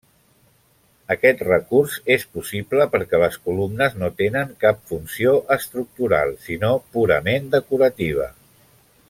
Aquest recurs és possible perquè les columnes no tenen cap funció estructural sinó purament decorativa.